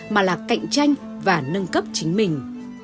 mà là cạnh tranh và nâng cấp chính mình